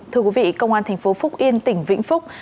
thưa quý vị công an tp phúc yên tỉnh vĩnh phúc